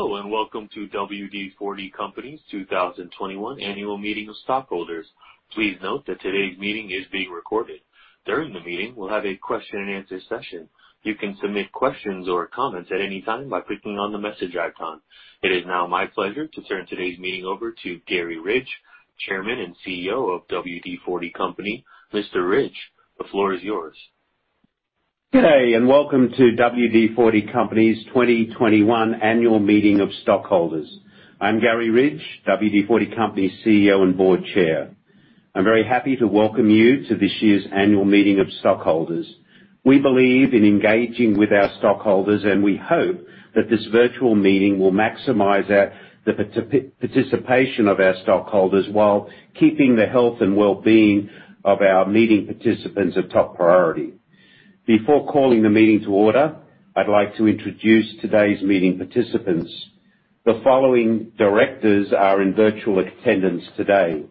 Hello, and welcome to WD-40 Company's 2021 annual meeting of stockholders. Please note that today's meeting is being recorded. During the meeting, we'll have a question and answer session. You can submit questions or comments at any time by clicking on the message icon. It is now my pleasure to turn today's meeting over to Garry Ridge, Chairman and CEO of WD-40 Company. Mr. Ridge, the floor is yours. Good day, and welcome to WD-40 Company's 2021 Annual Meeting of Stockholders. I'm Garry Ridge, WD-40 Company CEO and Board Chair. I'm very happy to welcome you to this year's annual meeting of stockholders. We believe in engaging with our stockholders, and we hope that this virtual meeting will maximize the participation of our stockholders while keeping the health and well-being of our meeting participants a top priority. Before calling the meeting to order, I'd like to introduce today's meeting participants. The following directors are in virtual attendance today.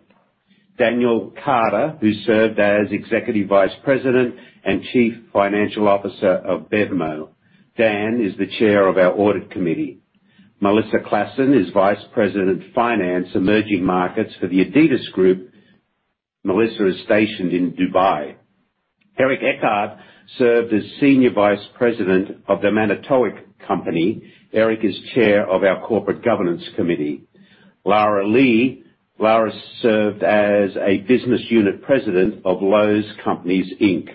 Daniel Carter, who served as Executive Vice President and Chief Financial Officer of BevMo!. Dan is the Chair of our Audit Committee. Melissa Claassen is Vice President, Finance, Emerging Markets for the Adidas Group. Melissa is stationed in Dubai. Eric Etchart served as Senior Vice President of The Manitowoc Company. Eric is Chair of our Corporate Governance Committee. Lara Lee. Lara served as a Business Unit President of Lowe's Companies, Inc.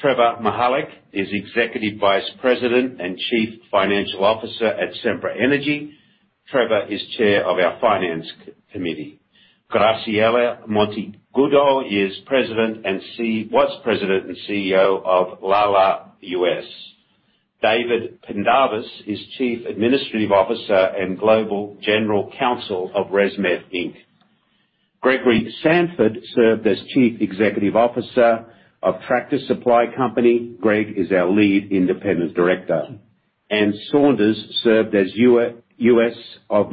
Trevor Mihalik is Executive Vice President and Chief Financial Officer at Sempra Energy. Trevor is chair of our Finance Committee. Graciela Monteagudo was President and CEO of Lala U.S. David Pendarvis is Chief Administrative Officer and Global General Counsel of ResMed, Inc. Gregory Sandfort served as Chief Executive Officer of Tractor Supply Company. Greg is our Lead Independent Director. Anne Saunders served as CEO of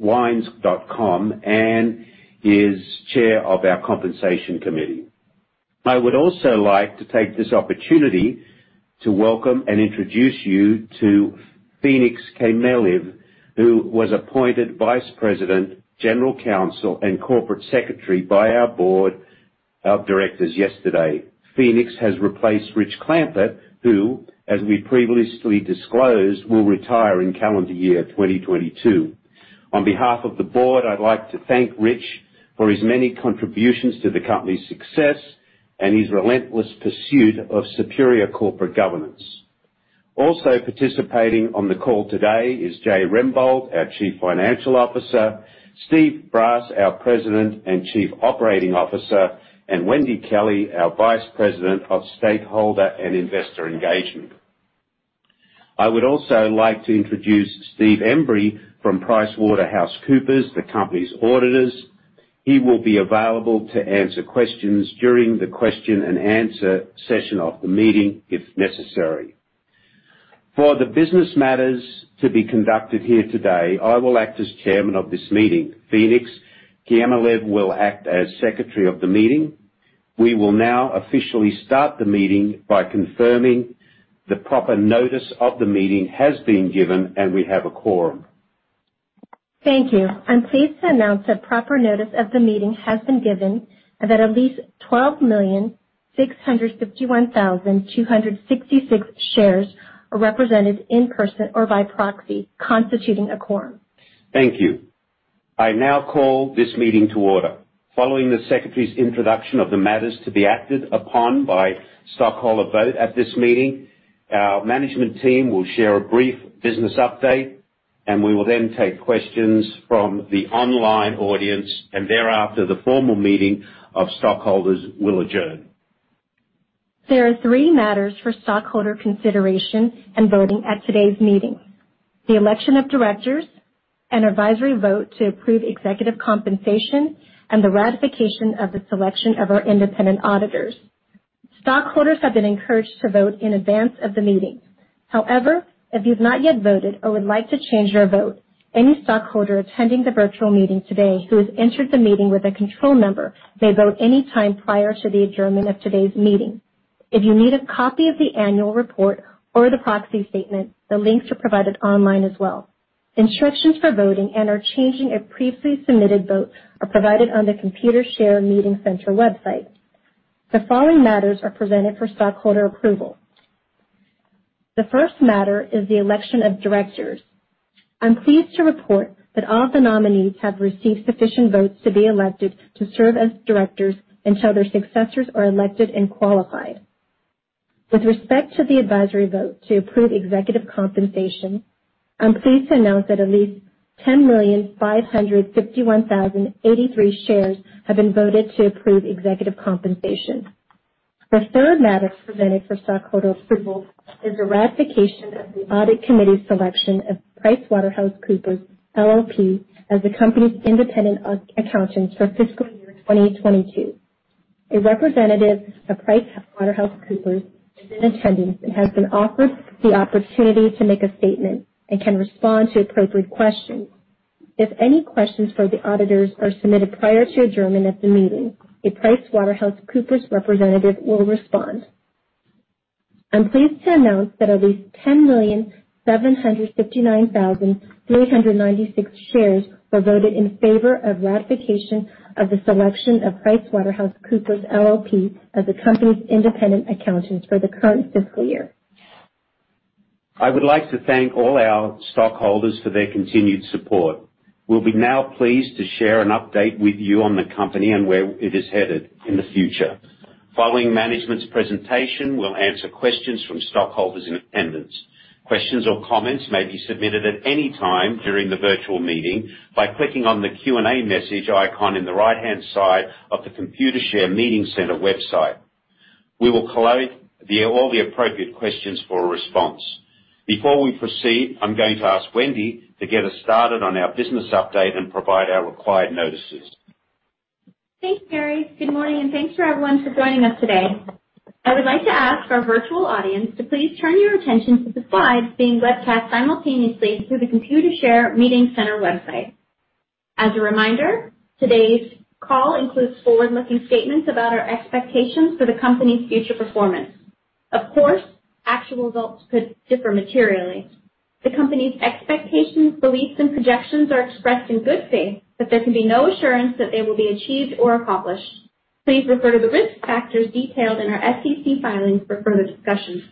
nakedwines.com. Anne is chair of our Compensation Committee. I would also like to take this opportunity to welcome and introduce you to Phenix Kiamilev, who was appointed Vice President, General Counsel, and Corporate Secretary by our board of directors yesterday. Phenix has replaced Rich Clampitt, who, as we previously disclosed, will retire in calendar year 2022. On behalf of the board, I'd like to thank Rich for his many contributions to the company's success and his relentless pursuit of superior corporate governance. Also participating on the call today is Jay Rembolt, our Chief Financial Officer, Steve Brass, our President and Chief Operating Officer, and Wendy Kelley, our Vice President of Stakeholder and Investor Engagement. I would also like to introduce Steve Embry from PricewaterhouseCoopers, the company's auditors. He will be available to answer questions during the question and answer session of the meeting if necessary. For the business matters to be conducted here today, I will act as chairman of this meeting. Phenix Kiamilev will act as secretary of the meeting. We will now officially start the meeting by confirming the proper notice of the meeting has been given, and we have a quorum. Thank you. I'm pleased to announce that proper notice of the meeting has been given and that at least 12,651,266 shares are represented in person or by proxy, constituting a quorum. Thank you. I now call this meeting to order. Following the secretary's introduction of the matters to be acted upon by stockholder vote at this meeting, our management team will share a brief business update, and we will then take questions from the online audience, and thereafter, the formal meeting of stockholders will adjourn. There are three matters for stockholder consideration and voting at today's meeting: the election of directors, an advisory vote to approve executive compensation, and the ratification of the selection of our independent auditors. Stockholders have been encouraged to vote in advance of the meeting. However, if you've not yet voted or would like to change your vote, any stockholder attending the virtual meeting today who has entered the meeting with a control number may vote any time prior to the adjournment of today's meeting. If you need a copy of the annual report or the proxy statement, the links are provided online as well. Instructions for voting and/or changing a previously submitted vote are provided on the Computershare Meeting Center website. The following matters are presented for stockholder approval. The first matter is the election of directors. I'm pleased to report that all the nominees have received sufficient votes to be elected to serve as directors until their successors are elected and qualified. With respect to the advisory vote to approve executive compensation, I'm pleased to announce that at least 10,551,083 shares have been voted to approve executive compensation. The third matter presented for stockholder approval is the ratification of the Audit Committee's selection of PricewaterhouseCoopers LLP as the company's independent auditor for fiscal year 2022. A representative of PricewaterhouseCoopers is in attendance and has been offered the opportunity to make a statement and can respond to appropriate questions. If any questions for the auditors are submitted prior to adjournment at the meeting, a PricewaterhouseCoopers representative will respond. I'm pleased to announce that at least 10,759,396 shares were voted in favor of ratification of the selection of PricewaterhouseCoopers LLP as the company's independent accountant for the current fiscal year. I would like to thank all our stockholders for their continued support. We'll now be pleased to share an update with you on the company and where it is headed in the future. Following management's presentation, we'll answer questions from stockholders in attendance. Questions or comments may be submitted at any time during the virtual meeting by clicking on the Q&A message icon in the right-hand side of the Computershare Meeting Center website. We will collate all the appropriate questions for a response. Before we proceed, I'm going to ask Wendy to get us started on our business update and provide our required notices. Thanks, Garry. Good morning, and thanks for everyone for joining us today. I would like to ask our virtual audience to please turn your attention to the slides being webcast simultaneously through the Computershare Meeting Center website. As a reminder, today's call includes forward-looking statements about our expectations for the company's future performance. Of course, actual results could differ materially. The company's expectations, beliefs, and projections are expressed in good faith, but there can be no assurance that they will be achieved or accomplished. Please refer to the risk factors detailed in our SEC filings for further discussions.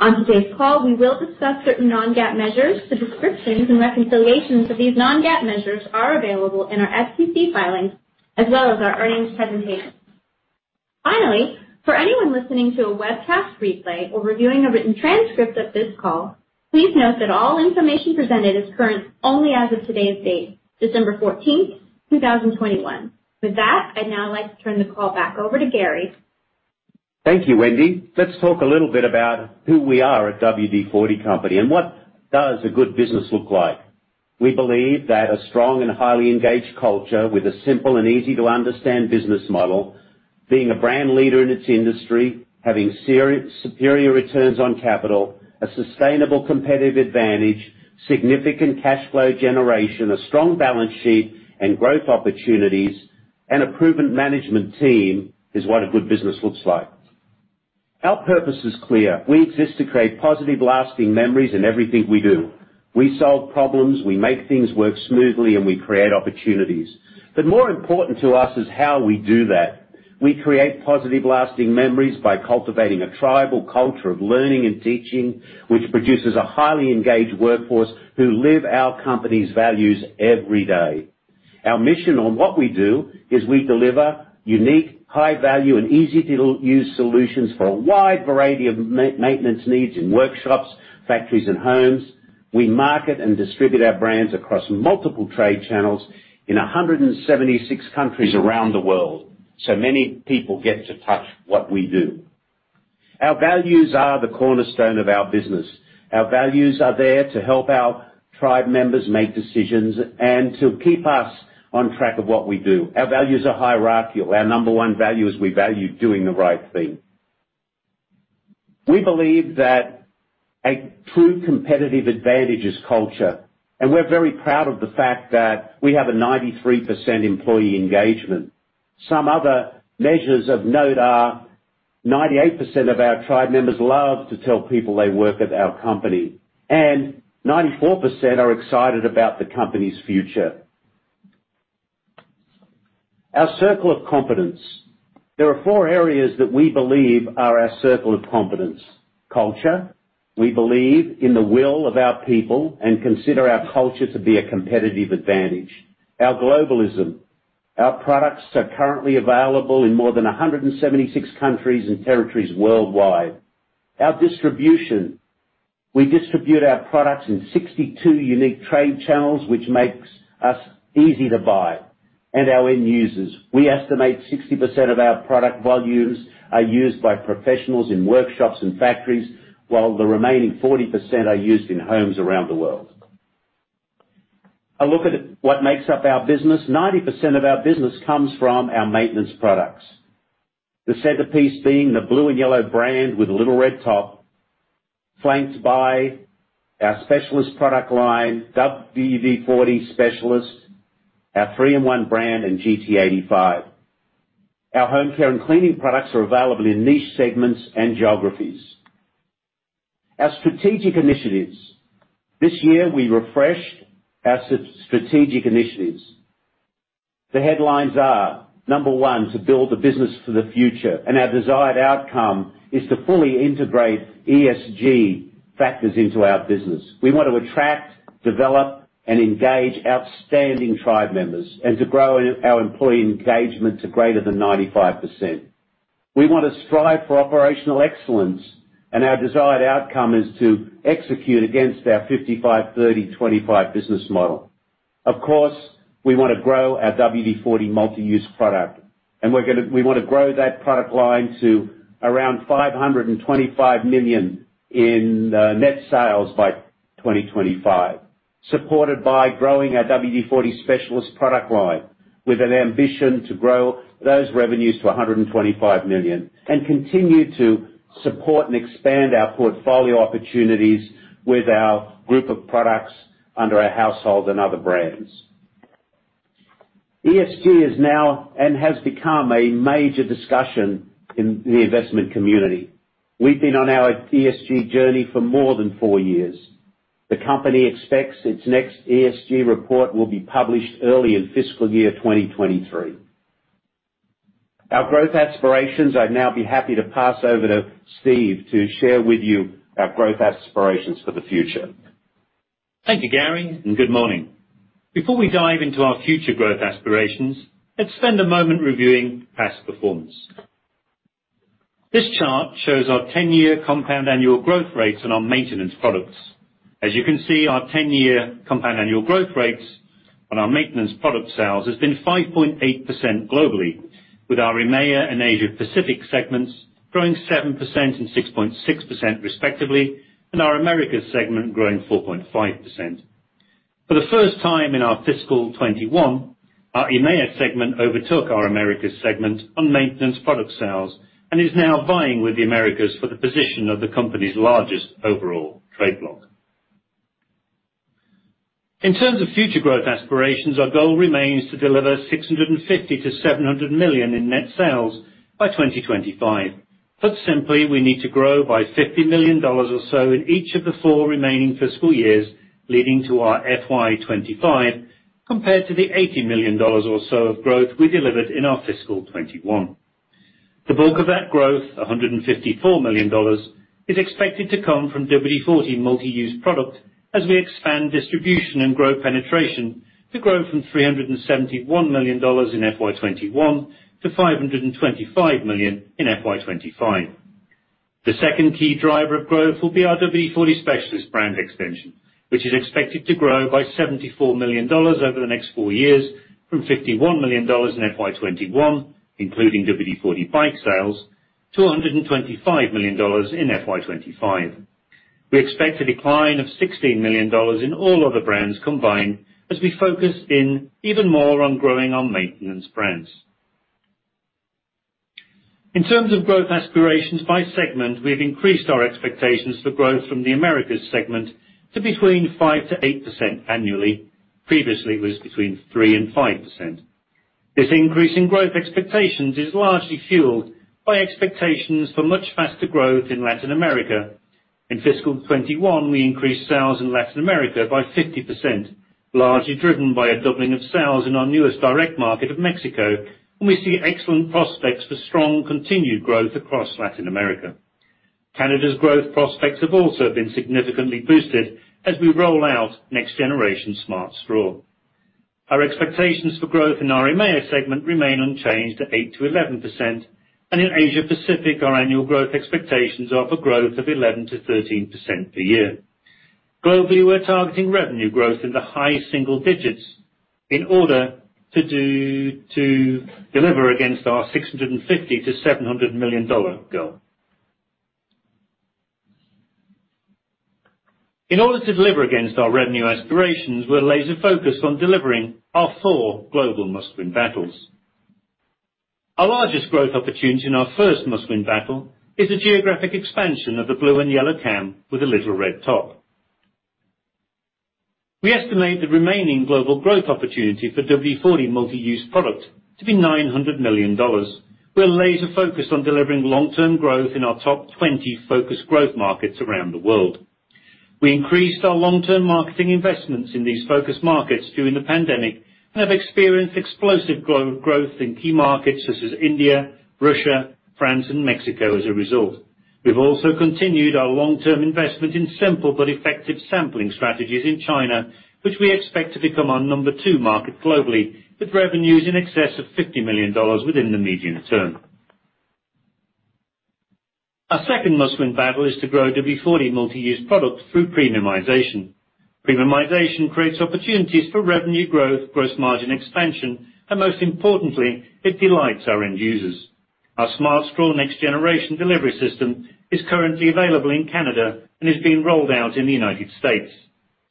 On today's call, we will discuss certain non-GAAP measures. The descriptions and reconciliations of these non-GAAP measures are available in our SEC filings as well as our earnings presentation. Finally, for anyone listening to a webcast replay or reviewing a written transcript of this call, please note that all information presented is current only as of today's date, December 14, 2021. With that, I'd now like to turn the call over to Garry. Thank you, Wendy. Let's talk a little bit about who we are at WD-40 Company and what does a good business look like. We believe that a strong and highly engaged culture with a simple and easy-to-understand business model, being a brand leader in its industry, having superior returns on capital, a sustainable competitive advantage, significant cash flow generation, a strong balance sheet and growth opportunities, and a proven management team is what a good business looks like. Our purpose is clear. We exist to create positive, lasting memories in everything we do. We solve problems, we make things work smoothly, and we create opportunities. More important to us is how we do that. We create positive, lasting memories by cultivating a tribal culture of learning and teaching, which produces a highly engaged workforce who live our company's values every day. Our mission on what we do is we deliver unique, high value, and easy-to-use solutions for a wide variety of maintenance needs in workshops, factories, and homes. We market and distribute our brands across multiple trade channels in 176 countries around the world, so many people get to touch what we do. Our values are the cornerstone of our business. Our values are there to help our tribe members make decisions and to keep us on track of what we do. Our values are hierarchical. Our number one value is we value doing the right thing. We believe that a true competitive advantage is culture, and we're very proud of the fact that we have a 93% employee engagement. Some other measures of note are 98% of our tribe members love to tell people they work at our company, and 94% are excited about the company's future. Our circle of competence. There are 4 areas that we believe are our circle of competence. Culture. We believe in the will of our people and consider our culture to be a competitive advantage. Our globalism. Our products are currently available in more than 176 countries and territories worldwide. Our distribution. We distribute our products in 62 unique trade channels, which makes us easy to buy. Our end users. We estimate 60% of our product volumes are used by professionals in workshops and factories, while the remaining 40% are used in homes around the world. A look at what makes up our business. 90% of our business comes from our maintenance products. The centerpiece being the blue and yellow brand with a little red top, flanked by our Specialist product line, WD-40 Specialist, our 3-IN-ONE brand, and GT85. Our home care and cleaning products are available in niche segments and geographies. Our strategic initiatives. This year we refreshed our strategic initiatives. The headlines are, number one, to build a business for the future, and our desired outcome is to fully integrate ESG factors into our business. We want to attract, develop, and engage outstanding tribe members and to grow our employee engagement to greater than 95%. We want to strive for operational excellence, and our desired outcome is to execute against our 55/30/25 business model. Of course, we wanna grow our WD-40 Multi-Use Product, and we're gonna... We wanna grow that product line to around $525 million in net sales by 2025, supported by growing our WD-40 Specialist product line. With an ambition to grow those revenues to $125 million and continue to support and expand our portfolio opportunities with our group of products under our household and other brands. ESG is now and has become a major discussion in the investment community. We've been on our ESG journey for more than four years. The company expects its next ESG report will be published early in fiscal year 2023. Our growth aspirations, I'd now be happy to pass over to Steve to share with you our growth aspirations for the future. Thank you, Garry, and good morning. Before we dive into our future growth aspirations, let's spend a moment reviewing past performance. This chart shows our ten-year compound annual growth rates on our maintenance products. As you can see, our ten-year compound annual growth rates on our maintenance product sales has been 5.8% globally, with our EMEA and Asia Pacific segments growing 7% and 6.6%, respectively, and our Americas segment growing 4.5%. For the first time in our fiscal 2021, our EMEA segment overtook our Americas segment on maintenance product sales and is now vying with the Americas for the position of the company's largest overall trade block. In terms of future growth aspirations, our goal remains to deliver $650 million-$700 million in net sales by 2025. Put simply, we need to grow by $50 million or so in each of the 4 remaining fiscal years, leading to our FY 2025, compared to the $80 million or so of growth we delivered in our fiscal 2021. The bulk of that growth, $154 million, is expected to come from WD-40 Multi-Use Product as we expand distribution and growth penetration to grow from $371 million in FY 2021 to $525 million in FY 2025. The second key driver of growth will be our WD-40 Specialist brand extension, which is expected to grow by $74 million over the next four years from $51 million in FY 2021, including WD-40 BIKE sales, to $125 million in FY 2025. We expect a decline of $16 million in all other brands combined as we focus in even more on growing our maintenance brands. In terms of growth aspirations by segment, we've increased our expectations for growth from the Americas segment to between 5%-8% annually. Previously, it was between 3%-5%. This increase in growth expectations is largely fueled by expectations for much faster growth in Latin America. In fiscal 2021, we increased sales in Latin America by 50%, largely driven by a doubling of sales in our newest direct market of Mexico, and we see excellent prospects for strong continued growth across Latin America. Canada's growth prospects have also been significantly boosted as we roll out next-generation Smart Straw. Our expectations for growth in our EMEA segment remain unchanged at 8%-11%, and in Asia Pacific, our annual growth expectations are for growth of 11%-13% per year. Globally, we're targeting revenue growth in the high single digits to deliver against our $650 million-$700 million goal. In order to deliver against our revenue aspirations, we're laser-focused on delivering our four global must-win battles. Our largest growth opportunity in our first must-win battle is the geographic expansion of the blue and yellow can with a little red top. We estimate the remaining global growth opportunity for WD-40 Multi-Use Product to be $900 million. We're laser-focused on delivering long-term growth in our top 20 focused growth markets around the world. We increased our long-term marketing investments in these focus markets during the pandemic and have experienced explosive global growth in key markets such as India, Russia, France, and Mexico as a result. We've also continued our long-term investment in simple but effective sampling strategies in China, which we expect to become our number two market globally, with revenues in excess of $50 million within the medium term. Our second must-win battle is to grow WD-40 Multi-Use Product through premiumization. Premiumization creates opportunities for revenue growth, gross margin expansion, and most importantly, it delights our end users. Our Smart Straw Next Generation delivery system is currently available in Canada and is being rolled out in the United States.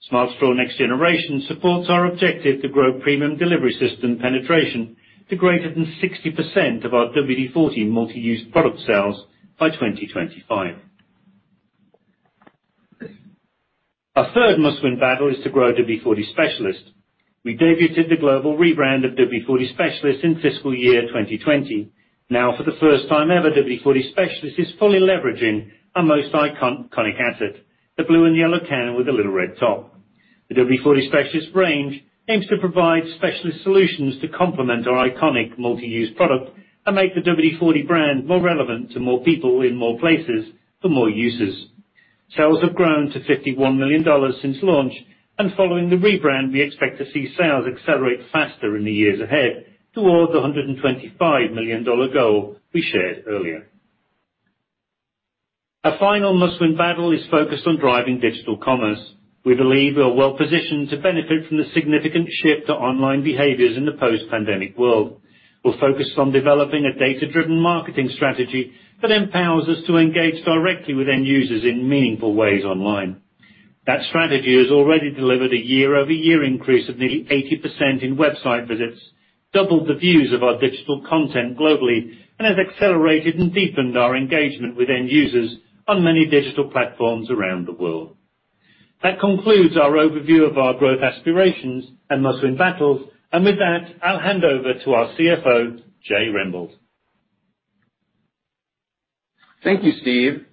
Smart Straw Next Generation supports our objective to grow premium delivery system penetration to greater than 60% of our WD-40 Multi-Use Product sales by 2025. Our third must-win battle is to grow WD-40 Specialist. We debuted the global rebrand of WD-40 Specialist in fiscal year 2020. Now, for the first time ever, WD-40 Specialist is fully leveraging our most iconic asset, the blue and yellow can with the little red top. The WD-40 Specialist range aims to provide specialist solutions to complement our iconic Multi-Use Product and make the WD-40 brand more relevant to more people in more places for more uses. Sales have grown to $51 million since launch, and following the rebrand, we expect to see sales accelerate faster in the years ahead towards the $125 million goal we shared earlier. Our final must-win battle is focused on driving digital commerce. We believe we are well positioned to benefit from the significant shift to online behaviors in the post-pandemic world. We're focused on developing a data-driven marketing strategy that empowers us to engage directly with end users in meaningful ways online. That strategy has already delivered a year-over-year increase of nearly 80% in website visits, doubled the views of our digital content globally, and has accelerated and deepened our engagement with end users on many digital platforms around the world. That concludes our overview of our growth aspirations and must-win battles, and with that, I'll hand over to our CFO, Jay Rembolt. Thank you, Steve.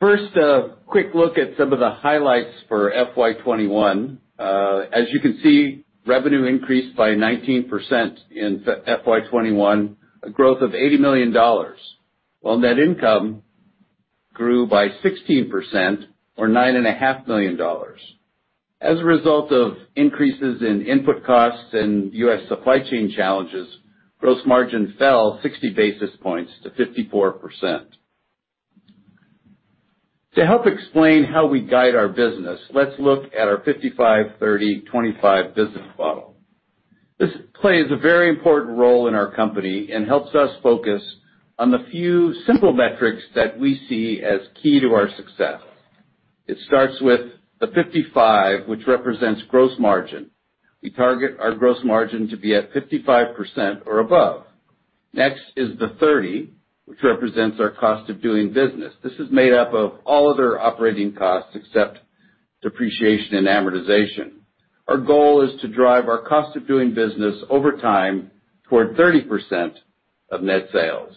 First, a quick look at some of the highlights for FY 2021. As you can see, revenue increased by 19% in FY 2021, a growth of $80 million, while net income grew by 16% or $9.5 million. As a result of increases in input costs and U.S. supply chain challenges, gross margin fell 60 basis points to 54%. To help explain how we guide our business, let's look at our 55/30/25 business model. This plays a very important role in our company and helps us focus on the few simple metrics that we see as key to our success. It starts with the 55, which represents gross margin. We target our gross margin to be at 55% or above. Next is the 30, which represents our cost of doing business. This is made up of all other operating costs except depreciation and amortization. Our goal is to drive our cost of doing business over time toward 30% of net sales.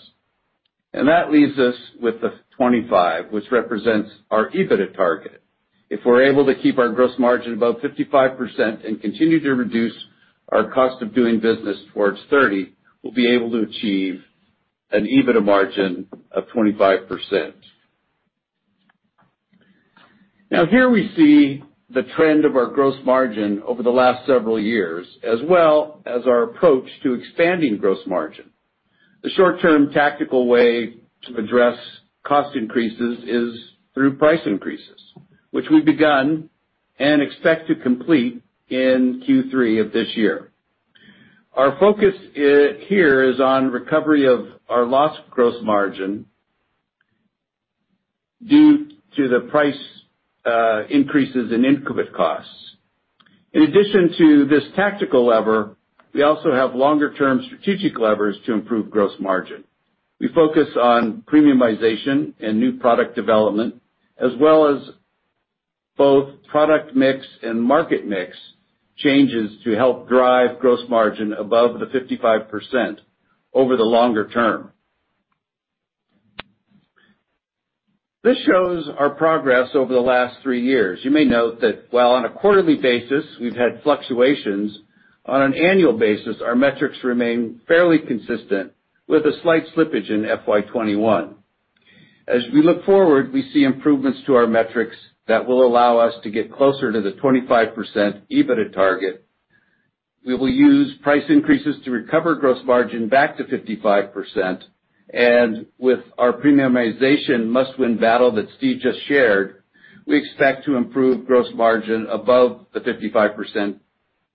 That leaves us with the 25, which represents our EBITDA target. If we're able to keep our gross margin above 55% and continue to reduce our cost of doing business towards 30, we'll be able to achieve an EBITDA margin of 25%. Now, here we see the trend of our gross margin over the last several years, as well as our approach to expanding gross margin. The short-term tactical way to address cost increases is through price increases, which we've begun and expect to complete in Q3 of this year. Our focus, here is on recovery of our lost gross margin due to the price, increases in input costs. In addition to this tactical lever, we also have longer term strategic levers to improve gross margin. We focus on premiumization and new product development, as well as both product mix and market mix changes to help drive gross margin above the 55% over the longer term. This shows our progress over the last three years. You may note that while on a quarterly basis we've had fluctuations, on an annual basis, our metrics remain fairly consistent, with a slight slippage in FY 2021. As we look forward, we see improvements to our metrics that will allow us to get closer to the 25% EBITDA target. We will use price increases to recover gross margin back to 55%, and with our premiumization must-win battle that Steve just shared, we expect to improve gross margin above the 55%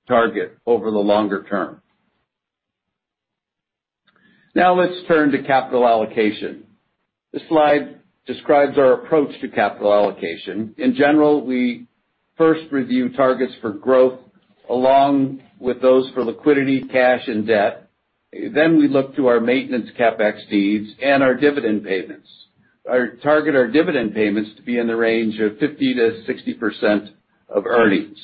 target over the longer term. Now, let's turn to capital allocation. This slide describes our approach to capital allocation. In general, we first review targets for growth, along with those for liquidity, cash, and debt. We look to our maintenance CapEx needs and our dividend payments. Our target for our dividend payments to be in the range of 50%-60% of earnings.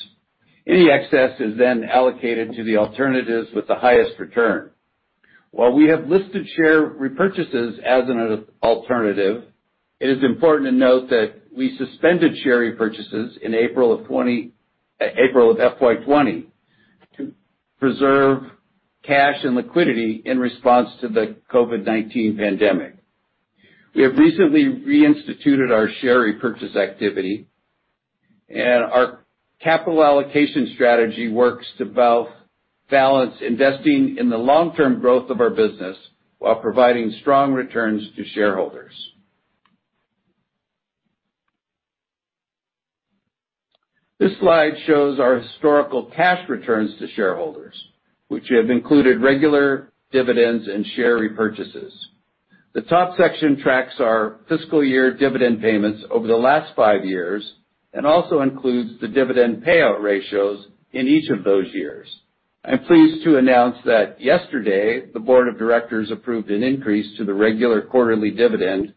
Any excess is allocated to the alternatives with the highest return. While we have listed share repurchases as an alternative, it is important to note that we suspended share repurchases in April of FY 2020 to preserve cash and liquidity in response to the COVID-19 pandemic. We have recently reinstituted our share repurchase activity, and our capital allocation strategy works to balance investing in the long-term growth of our business while providing strong returns to shareholders. This slide shows our historical cash returns to shareholders, which have included regular dividends and share repurchases. The top section tracks our fiscal year dividend payments over the last five years and also includes the dividend payout ratios in each of those years. I'm pleased to announce that yesterday, the board of directors approved an increase to the regular quarterly dividend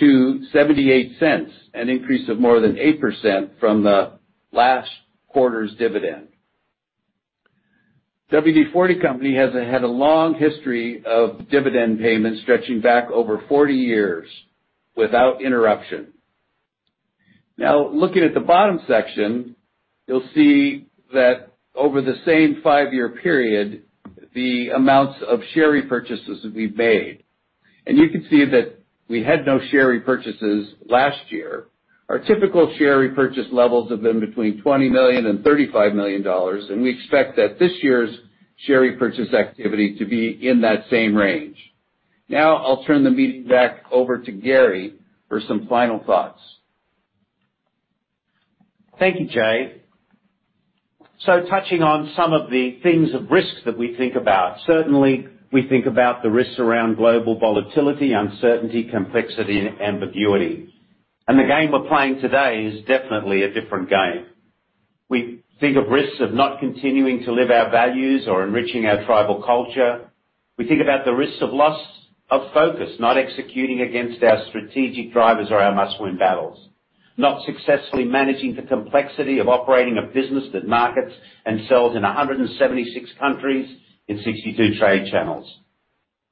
to $0.78, an increase of more than 8% from the last quarter's dividend. WD-40 Company has had a long history of dividend payments stretching back over 40 years without interruption. Now, looking at the bottom section, you'll see that over the same five-year period, the amounts of share repurchases we've made, and you can see that we had no share repurchases last year. Our typical share repurchase levels have been between $20 million and $35 million, and we expect that this year's share repurchase activity to be in that same range. Now I'll turn the meeting back over to Garry for some final thoughts. Thank you, Jay. Touching on some of the things of risks that we think about, certainly we think about the risks around global volatility, uncertainty, complexity, and ambiguity. The game we're playing today is definitely a different game. We think of risks of not continuing to live our values or enriching our tribal culture. We think about the risks of loss of focus, not executing against our strategic drivers or our must-win battles. Not successfully managing the complexity of operating a business that markets and sells in 176 countries in 62 trade channels.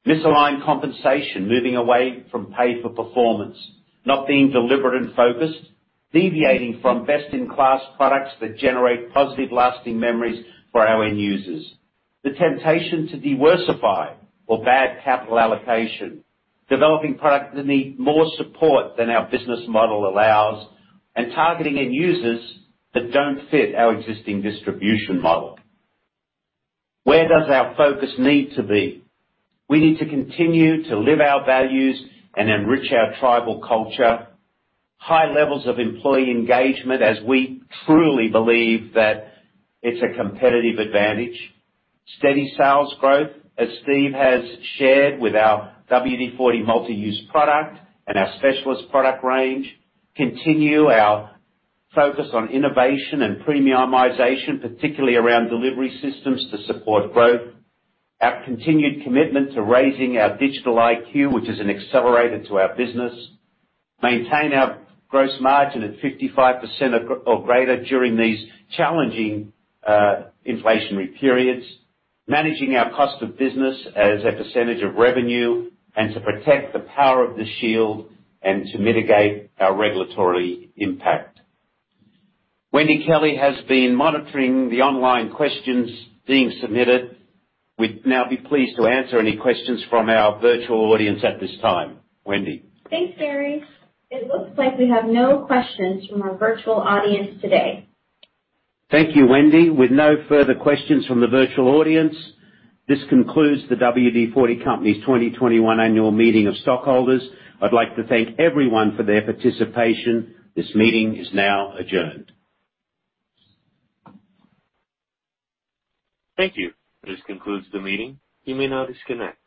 Misaligned compensation, moving away from pay for performance, not being deliberate and focused, deviating from best-in-class products that generate positive, lasting memories for our end users. The temptation to de-worsify or bad capital allocation, developing products that need more support than our business model allows, and targeting end users that don't fit our existing distribution model. Where does our focus need to be? We need to continue to live our values and enrich our tribal culture. High levels of employee engagement, as we truly believe that it's a competitive advantage. Steady sales growth, as Steve has shared with our WD-40 Multi-Use Product and our Specialist product range. Continue our focus on innovation and premiumization, particularly around delivery systems to support growth. Our continued commitment to raising our Digital IQ, which is an accelerator to our business. Maintain our gross margin at 55% or greater during these challenging inflationary periods. Managing our cost of doing business as a percentage of revenue, and to protect the power of the shield and to mitigate our regulatory impact. Wendy Kelley has been monitoring the online questions being submitted. We'd now be pleased to answer any questions from our virtual audience at this time. Wendy. Thanks, Garry. It looks like we have no questions from our virtual audience today. Thank you, Wendy. With no further questions from the virtual audience, this concludes the WD-40 Company's 2021 annual meeting of stockholders. I'd like to thank everyone for their participation. This meeting is now adjourned. Thank you. This concludes the meeting. You may now disconnect.